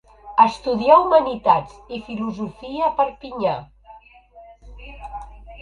Estudià humanitats i filosofia a Perpinyà.